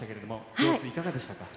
様子いかがでしたか。